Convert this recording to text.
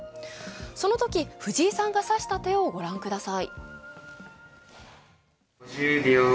そのとき藤井さんが指した手をご覧ください。